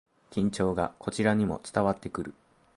緊張がこちらにも伝わってくる